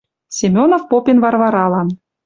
Семенов попен Варваралан.